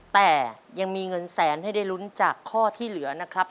แต่ยังมีเงินแสนให้ได้ลุ้นจากข้อที่เหลือนะครับ